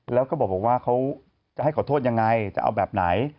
แล้วก็บอกว่าเขาจะให้ขอโทษยังไงจะเอาแบบไหน